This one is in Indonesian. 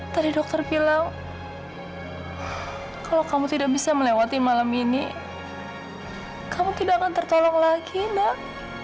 tadi dokter bilang kalau kamu tidak bisa melewati malam ini kamu tidak akan tertolong lagi nak